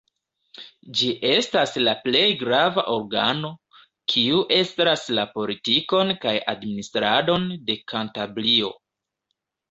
Ĝi estas la plej grava organo, kiu estras la politikon kaj administradon de Kantabrio.